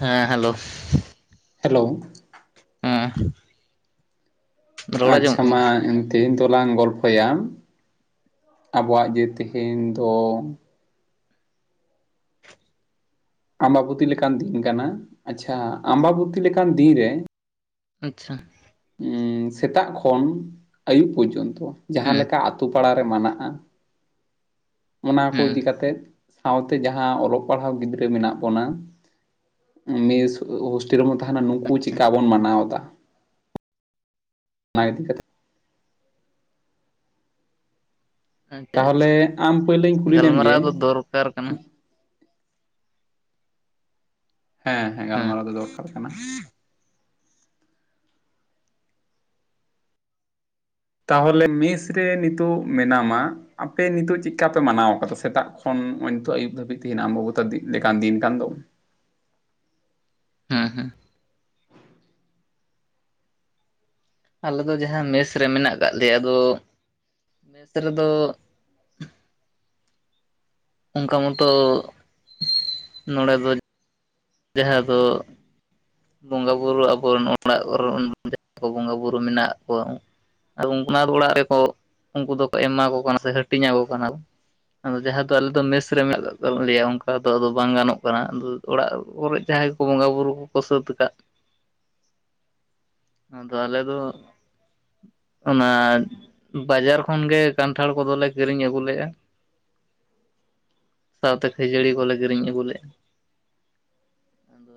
ᱦᱮᱸ hello hello ᱦᱮᱸ ᱨᱚᱲ ᱟᱪᱪᱷᱟ ᱟᱸᱡᱚᱢᱚᱜ ᱢᱟ ᱠᱟᱱᱟ ᱛᱮᱦᱮᱧ ᱫᱚᱞᱟᱝ ᱜᱚᱞᱯᱷᱚᱭᱟ ᱟᱵᱚᱣᱟᱜ ᱡᱮ ᱛᱮᱦᱮᱧ ᱫᱚ ᱟᱢᱵᱟᱵᱚᱛᱤ ᱞᱮᱠᱟᱱ ᱫᱤᱱ ᱠᱟᱱᱟ ᱟᱪᱪᱷᱟ ᱟᱢᱵᱟᱵᱚᱛᱤ ᱞᱮᱠᱟᱱ ᱫᱤᱱᱨᱮ ᱟᱪᱪᱷᱟ ᱥᱮᱛᱟᱜ ᱠᱷᱚᱱ ᱟᱹᱭᱩᱵ ᱯᱚᱨᱡᱚᱱᱛᱚ ᱡᱟᱦᱟᱸ ᱦᱮᱸ ᱞᱮᱠᱟ ᱟᱹᱛᱩ ᱯᱟᱲᱟ ᱨᱮ ᱢᱟᱱᱟᱜᱼᱟ ᱚᱱᱟ ᱠᱚ ᱦᱮᱸ ᱤᱫᱤ ᱠᱟᱛᱮᱫ ᱥᱟᱶᱛᱮ ᱡᱟᱦᱟᱸ ᱚᱞᱚᱜ ᱯᱟᱲᱦᱟᱣ ᱜᱤᱫᱽᱨᱟᱹ ᱢᱮᱱᱟᱜ ᱵᱚᱱᱟ ᱢᱤᱥ ᱦᱳᱼᱦᱳᱥᱴᱮᱞ ᱨᱮᱦᱚᱸ ᱛᱟᱦᱮᱱᱟ ᱱᱩᱝᱠᱩ ᱟᱪᱪᱷᱟ ᱪᱤᱠᱠᱟ ᱵᱚᱱ ᱢᱟᱱᱟᱣ ᱮᱫᱟ᱾ ᱚᱱᱟ ᱤᱫᱤ ᱠᱟᱛᱮᱜ ᱟᱪᱪᱷᱟ ᱟᱪᱪᱷᱟ ᱛᱟᱦᱚᱞᱮ ᱟᱢ ᱯᱳᱭᱞᱳᱧ ᱠᱩᱞᱤ ᱞᱮᱢᱜᱮ? ᱜᱟᱞᱢᱟᱨᱟᱣ ᱫᱚ ᱫᱚᱨᱠᱟᱨ ᱠᱟᱱᱟ ᱦᱮᱸ ᱦᱮᱸ ᱜᱟᱞᱢᱟᱨᱟᱣ ᱫᱚ ᱫᱚᱨᱠᱟᱨ ᱠᱟᱱᱟ᱾ ᱛᱟᱦᱚᱞᱮ ᱢᱮᱥ ᱨᱮ ᱱᱤᱛᱚᱜ ᱢᱮᱱᱟᱢᱟ ᱟᱯᱮ ᱱᱤᱛᱚᱜ ᱪᱮᱜᱠᱟᱯᱮ ᱢᱟᱱᱟᱣ ᱠᱟᱫᱟ ᱥᱮᱛᱟᱜ ᱠᱷᱚᱱ ᱱᱚᱜᱼᱚᱭ ᱱᱤᱛ ᱟᱹᱭᱩᱵ ᱫᱷᱟᱹᱵᱤᱡ ᱛᱟᱦᱮᱧ ᱟᱢᱵᱟᱵᱚᱛᱟ ᱫᱤᱜ ᱞᱮᱠᱟᱱ ᱫᱤᱱ ᱠᱟᱱ ᱫᱚ ᱦᱩᱸ ᱦᱩᱸ ᱟᱞᱮ ᱫᱚ ᱡᱟᱦᱟᱸ ᱢᱮᱥ ᱨᱮ ᱢᱮᱱᱟᱜ ᱠᱟᱫ ᱞᱮᱭᱟ ᱟᱫᱚ ᱢᱮᱥ ᱨᱮᱫᱚ ᱚᱱᱠᱟ ᱢᱚᱛᱚ ᱱᱚᱸᱰᱮ ᱫᱚ ᱡᱟᱦᱟᱸ ᱫᱚ ᱵᱚᱸᱜᱟᱼᱵᱩᱨᱩ ᱟᱵᱚ ᱨᱮᱱ ᱚᱲᱟᱜ ᱠᱚᱨᱮ [inaudible] ᱵᱚᱸᱜᱟᱼᱵᱩᱨᱩ ᱢᱮᱱᱟᱜ ᱠᱚᱣᱟ ᱟᱫᱚ ᱩᱱ ᱚᱱᱟ ᱚᱲᱟᱜ ᱨᱮᱠᱚ ᱩᱱᱠᱩ ᱫᱚᱠᱚ ᱮᱢᱟ ᱠᱚ ᱠᱟᱱᱟ ᱥᱮ ᱦᱟᱹᱴᱤᱧ ᱟᱠᱚ ᱠᱟᱱᱟ᱾ ᱟᱫᱚ ᱡᱟᱦᱟᱸ ᱫᱚ ᱟᱞᱮ ᱫᱚ ᱢᱮᱥ ᱨᱮ ᱢᱮᱱᱟᱜ [unintelligible] ᱞᱮᱭᱟ ᱚᱱᱠᱟ ᱫᱚ ᱟᱫᱚ ᱵᱟᱝ ᱜᱟᱱᱚᱜ ᱠᱟᱱᱟ [unintelligible] ᱚᱲᱟᱜ ᱠᱚᱨᱮ ᱡᱟᱸᱦᱟ ᱡᱟᱦᱟᱸᱭ ᱠᱚ ᱵᱚᱸᱜᱟᱼᱵᱩᱩᱨᱩ ᱠᱚᱠᱚ ᱥᱟᱹᱛ ᱠᱟᱫ ᱟᱫᱚ ᱟᱞᱮ ᱫᱚ ᱚᱱᱟ ᱵᱟᱡᱟᱨ ᱠᱷᱚᱱᱜᱮ ᱠᱟᱱᱴᱷᱟᱲ ᱠᱚᱫᱚᱞᱮ ᱠᱤᱨᱤᱧ ᱟᱹᱜᱩ ᱞᱮᱜᱼᱟ᱾ ᱥᱟᱶᱛᱮ ᱠᱷᱟᱹᱡᱟᱹᱲᱤ ᱠᱚᱞᱮ ᱠᱤᱨᱤᱧ ᱟᱹᱜᱩ ᱞᱮᱜᱼᱟ ᱟᱫᱚ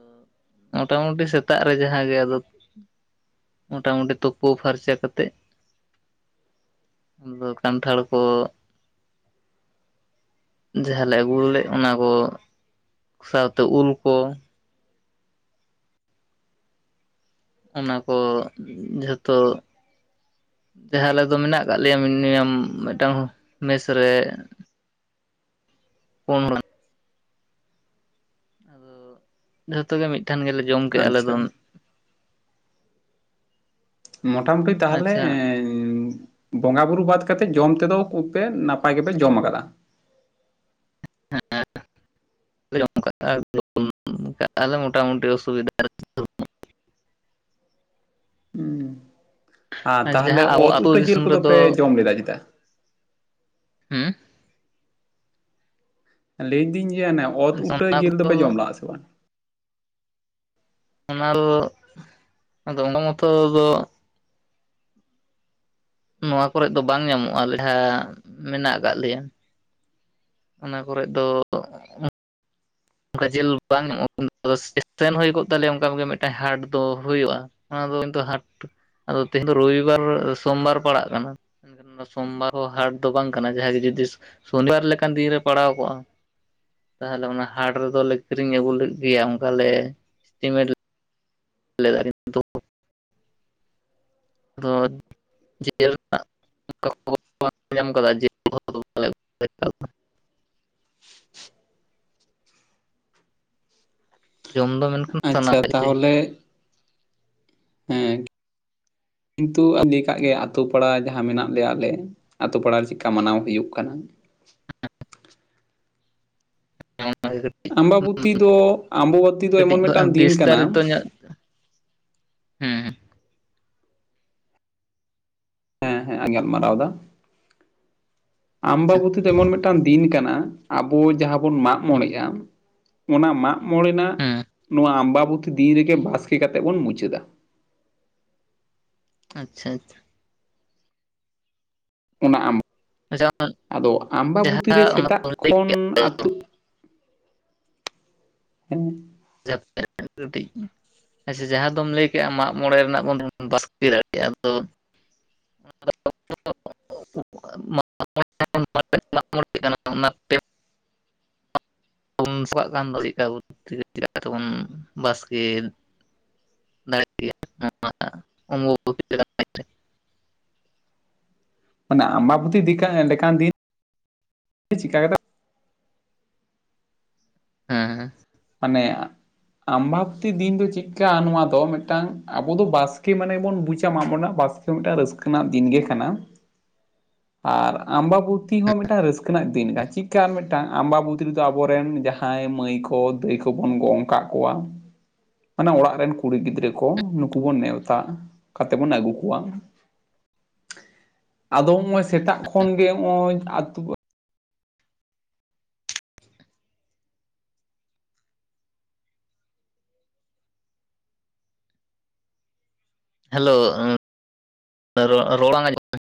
ᱢᱳᱴᱟᱢᱩᱴᱤ ᱥᱮᱛᱟᱜ ᱨᱮ ᱢᱟᱦᱟᱸ ᱜᱮ ᱟᱫᱚ ᱢᱳᱴᱟᱢᱩᱴᱤ ᱛᱳᱯᱩ ᱯᱷᱟᱨᱪᱟ ᱠᱟᱛᱮᱜ᱾ ᱟᱫᱚ ᱠᱟᱱᱴᱷᱟᱲ ᱠᱚ ᱡᱟᱦᱟᱸ ᱞᱮ ᱟᱹᱜᱩ ᱞᱮᱜ ᱚᱱᱟ ᱠᱚ ᱥᱟᱶᱛᱮ ᱩᱞ ᱠᱚ ᱚᱱᱟ ᱠᱚ ᱡᱷᱚᱛᱚ ᱡᱟᱦᱟᱸ ᱟᱞᱮ ᱫᱚ ᱢᱮᱱᱟᱜ ᱠᱟᱜ ᱞᱮᱭᱟ ᱢᱤᱱᱤᱭᱟᱢ ᱢᱤᱫᱴᱟᱝ ᱢᱮᱥ ᱨᱮ ᱯᱳᱱ [unintelligible] ᱡᱷᱚᱛᱚᱜᱮ ᱢᱤᱫᱴᱷᱮᱱ ᱜᱮᱞᱮ ᱡᱚᱢ ᱠᱮᱜ ᱟᱞᱮ ᱫᱚ᱾ ᱟᱪᱪᱷᱟ ᱢᱚᱴᱟᱢᱩᱴᱤ ᱛᱟᱦᱚᱞᱮ ᱟᱪᱪᱷᱟ ᱮᱸ ᱩᱸ ᱵᱚᱸᱜᱟ ᱵᱩᱨᱩ ᱵᱟᱫ ᱠᱟᱛᱮᱜ᱾ ᱡᱚᱢ ᱛᱮᱫᱚ ᱠᱩᱯᱮ ᱱᱟᱯᱟᱭ ᱜᱮᱯᱮ ᱡᱚᱢ ᱟᱠᱟᱫᱟ᱾ [unintelligible] ᱢᱳᱴᱟᱢᱩᱴᱤ ᱚᱥᱩᱵᱤᱫᱟ ᱨᱮ [unintelligible] ᱦᱩᱸ ᱟ ᱟᱨ ᱛᱟᱦᱟᱞᱮ ᱡᱟᱦᱟᱸ ᱟᱵᱚ ᱚᱛ ᱟᱹᱛᱩ ᱩᱴᱟᱹ ᱡᱤᱞ ᱫᱤᱥᱚᱢ ᱠᱚᱫᱚ ᱯᱮ ᱡᱚᱢ ᱞᱮᱫᱟ ᱪᱮᱛᱟ? ᱦᱮᱸ ᱞᱟᱹᱭᱫᱤᱹᱧ ᱜᱮᱭᱟ ᱚᱱᱮ ᱚᱛ ᱩᱴᱟᱹ ᱚᱱᱟ ᱡᱤᱞ ᱫᱚᱯᱮ ᱡᱚᱢ ᱠᱚᱫᱚ ᱞᱟᱜ -ᱟ ᱥᱮ ᱵᱟᱝ ᱚᱱᱟ [unintelligible] ᱟᱫᱟ ᱚᱱᱟ ᱢᱚᱛᱚ ᱫᱚ ᱱᱚᱣᱟ ᱠᱚᱨᱮᱫ ᱫᱚ ᱵᱟᱝ ᱧᱟᱢᱚᱜᱼᱟ ᱟᱞᱮ ᱡᱟᱦᱟ ᱢᱮᱱᱟᱜ ᱟᱠᱟᱫ ᱞᱮᱭᱟ᱾ ᱚᱱᱟ ᱠᱚᱨᱮᱫ ᱫᱚ ᱚᱱᱠᱟ ᱡᱮᱞ ᱵᱟᱝ [unintelligible] ᱟᱫᱚ ᱥᱮᱱ ᱦᱩᱭ ᱠᱚᱜ ᱛᱟᱞᱮᱭᱟ ᱚᱱᱠᱟ ᱜᱮ ᱢᱤᱫᱴᱮᱱ ᱦᱟᱴ ᱫᱚ ᱦᱩᱭᱩᱜᱼᱟ ᱚᱱᱟ ᱫᱚ ᱠᱤᱱᱛᱩ ᱦᱟᱴ ᱟᱫᱚ ᱛᱮᱦᱮᱧ ᱫᱚ ᱨᱚᱵᱤᱵᱟᱨ ᱥᱳᱚᱢᱵᱟᱨ ᱯᱟᱲᱟᱜ ᱠᱟᱱᱟ᱾ ᱥᱳᱢᱵᱟᱨ ᱦᱟᱴ ᱫᱚ ᱵᱟᱝ ᱠᱟᱱᱟ ᱡᱟᱦᱟᱸᱭ ᱜᱮ ᱡᱩᱫᱤ ᱥᱚᱱᱤᱵᱟᱨ ᱞᱮᱠᱟᱱ ᱫᱤᱱ ᱨᱮ ᱯᱟᱲᱟᱣ ᱠᱚᱜᱼᱟ᱾ ᱛᱟᱦᱚᱞᱮ ᱚᱱᱟ ᱦᱟᱴ ᱨᱮᱫᱚᱞᱮ ᱠᱤᱨᱤᱧ ᱟᱹᱜᱩ ᱞᱮᱫ ᱜᱮᱭᱟ ᱚᱱᱠᱟ ᱞᱮ ᱤᱥᱴᱤᱢᱮᱴ [unintelligible] ᱫᱚ ᱟᱫᱚ ᱡᱤᱞ ᱨᱮᱱᱟᱜ [unintelligible] ᱧᱟᱢ ᱟᱠᱟᱫᱟ ᱡ [unintelligible] [inaudible] ᱡᱚᱢ ᱫᱚ ᱢᱮᱱᱠᱷᱟᱱ ᱥᱟᱱᱟ ᱟᱪᱪᱷᱟ ᱮᱫ [unintelligible] ᱛᱟᱦᱚᱞᱮ ᱦᱮᱸ ᱠᱤᱱᱛᱩ [unintelligible] ᱠᱟᱜ ᱜᱮ ᱟᱛᱳ ᱯᱟᱲᱟ ᱡᱟᱦᱟᱸ ᱢᱮᱱᱟᱜ ᱞᱮᱭᱟ ᱟᱞᱮ ᱟᱛᱳ ᱯᱟᱲᱟ ᱨᱮ ᱪᱮᱫᱠᱟ ᱢᱟᱱᱟᱣ ᱦᱩᱭᱩᱜ ᱠᱟᱱᱟ᱾ ᱟᱢᱵᱟᱵᱚᱛᱤ ᱫᱚ ᱟᱢᱵᱟᱵᱚᱛᱤ ᱫᱚ ᱮᱢᱚᱱ ᱢᱤᱫᱴᱟᱝ ᱫᱤᱱ ᱠᱟᱱᱟ [inaudible] ᱦᱮᱸ ᱦᱮᱸ ᱦᱮᱸ ᱜᱟᱞᱢᱟᱨᱟᱣᱫᱟ ᱟᱪᱪᱷᱟ ᱟᱢᱵᱟᱵᱚᱛᱤ ᱫᱚ ᱮᱢᱚᱱ ᱢᱤᱫᱴᱟᱱ ᱫᱤᱱ ᱠᱟᱱᱟ ᱟᱵᱚ ᱡᱟᱦᱟᱸ ᱵᱚᱱ ᱢᱟᱜ ᱢᱚᱬᱮᱜᱼᱟ ᱚᱱᱟ ᱢᱟᱜ ᱢᱚᱬᱮ ᱨᱮᱱᱟᱜ ᱦᱩᱸ ᱱᱚᱣᱟ ᱟᱢᱵᱟ ᱵᱚᱛᱤ ᱫᱤᱱ ᱨᱮᱜᱮ ᱵᱟᱥᱠᱮ ᱠᱟᱛᱮᱜ ᱵᱚᱱ ᱢᱩᱪᱟᱹᱫᱟ ᱟᱪᱪᱷᱟ ᱟᱪᱪᱷᱟ ᱚᱱᱟ ᱟᱢ ᱟᱪᱪᱷᱟ ᱟᱫᱚ ᱟᱢᱵᱟᱵᱚᱛᱤᱨ ᱨᱮ ᱡᱟᱦᱟᱸ ᱚᱱᱟ ᱥᱮᱛᱟᱜ ᱞᱟᱹᱭ ᱠᱷᱚᱱ ᱠᱮᱫ ᱟᱹᱛᱩ ᱦᱮᱸ [unintelligible] ᱠᱟᱹᱴᱤᱡ ᱟᱪᱪᱷᱟ ᱡᱟᱦᱟᱸ ᱫᱚᱢ ᱞᱟᱹᱭ ᱠᱮᱜ ᱟ ᱢᱟᱜᱢᱚᱬᱮ ᱨᱮᱱᱟᱜ ᱵᱚᱱ ᱵᱟᱥᱠᱮ ᱫᱟᱲᱮᱭᱟᱜᱼᱟ ᱟᱫᱚ [inaudible] [unintelligible] ᱚᱱᱟᱛᱮ [unintelligible] ᱵᱚᱱ ᱵᱟᱥᱠᱮ ᱫᱟᱲᱮᱭᱟᱜ ᱜᱮᱭᱟ ᱱᱚᱣᱟ ᱚᱢᱵᱚᱵᱚᱛᱤ ᱞᱮᱠᱟᱱ ᱫᱤᱱ ᱨᱮ ᱢᱟᱱᱮ ᱟᱢᱵᱟᱵᱩᱚᱛᱤ ᱫᱤᱠᱟᱱ ᱞᱮᱠᱟᱱ ᱫᱤᱱ ᱪᱤᱠᱟᱹ ᱠᱟᱛᱮ ᱦᱮᱸᱮ ᱢᱚᱱᱮᱭᱟ ᱟᱢᱵᱟᱵᱚᱛᱤ ᱫᱤᱱ ᱫᱚ ᱪᱮᱫᱠᱟ ᱱᱚᱣᱟ ᱫᱚ ᱢᱤᱫᱴᱟᱝ ᱟᱵᱚ ᱫᱚ ᱵᱟᱥᱠᱮ ᱢᱟᱱᱮ ᱵᱚᱱ ᱵᱩᱡᱟ ᱢᱟᱜᱢᱚᱬᱮ ᱨᱮᱱᱟᱜ ᱵᱟᱥᱠᱮ ᱢᱤᱫᱴᱟᱝ ᱨᱟᱹᱥᱠᱟᱹ ᱨᱮᱱᱟᱜ ᱫᱤᱱ ᱜᱮ ᱠᱟᱱᱟ᱾ ᱟᱨ ᱟᱢᱵᱟ ᱵᱩᱛᱤ ᱦᱚᱸ ᱢᱤᱫᱴᱟᱝ ᱨᱟᱹᱥᱠᱟᱹ ᱨᱮᱱᱟᱜ ᱫᱤᱱ ᱠᱟᱱᱟ ᱪᱤᱠᱠᱟ ᱢᱤᱫᱴᱟᱝ ᱟᱢᱵᱟ ᱵᱩᱛᱤ ᱨᱮᱫᱚ ᱟᱵᱚᱨᱮᱱ ᱡᱟᱦᱟᱸᱭ ᱢᱟᱹᱭ ᱠᱚ ᱠᱚ ᱫᱟᱹᱭ ᱠᱚᱵᱚᱱ ᱜᱚᱝ ᱠᱟᱜ ᱠᱚᱣᱟ ᱢᱟᱱᱮ ᱚᱲᱟᱜ ᱨᱮᱱ ᱠᱩᱲᱤ ᱜᱤᱫᱽᱨᱟᱹ ᱠᱚ ᱱᱩᱠᱩ ᱵᱚᱱ ᱱᱮᱣᱛᱟ ᱛᱟ ᱠᱟᱛᱮ ᱵᱚᱱ ᱟᱹᱜᱩ ᱠᱚᱣᱟ᱾ ᱟᱫᱚ ᱦᱚᱸᱜᱼᱚᱭ ᱥᱮᱛᱟᱜ ᱠᱷᱚᱱ ᱜᱮ ᱦᱚᱜᱼᱚᱭ ᱟᱹᱛᱩ ᱦᱮᱞᱳ ᱨᱚ ᱨᱚᱲ ᱵᱟᱝ ᱟᱸᱡᱚᱢ ᱠᱟᱱᱟ